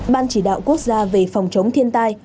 ban chỉ đạo quốc gia về phòng chống thiên tai